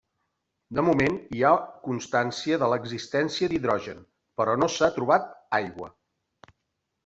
De moment hi ha constància de l'existència d'hidrogen, però no s'ha trobat aigua.